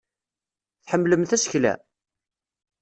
Tḥemmlem tasekla?